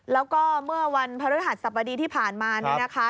แล้วก็เมื่อวันพฤหัสสบดีที่ผ่านมาเนี่ยนะคะ